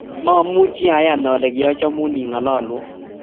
Mamuchi ayan ale kiachamun ingololwo